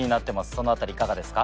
そのあたりいかがですか？